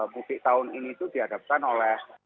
bukit tahun ini itu dihadapkan oleh